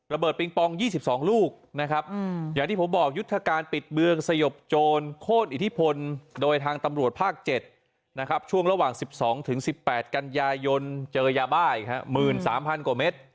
เบิงปอง๒๒ลูกนะครับอย่างที่ผมบอกยุทธการปิดเมืองสยบโจรโค้นอิทธิพลโดยทางตำรวจภาค๗นะครับช่วงระหว่าง๑๒๑๘กันยายนเจอยาบ้าอีก๑๓๐๐กว่าเมตร